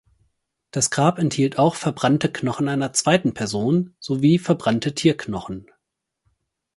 Das Grab enthielt auch verbrannte Knochen einer zweiten Person sowie verbrannte Tierknochen.